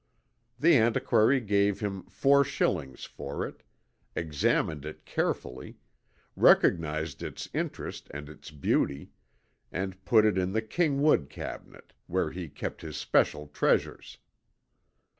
The antiquary gave him four shillings for it, examined it carefully, recognised its interest and its beauty, and put it in the king wood cabinet, where he kept his special treasures.